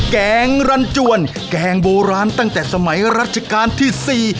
แกงรันจวนแกงโบราณตั้งแต่สมัยรัชกาลที่๔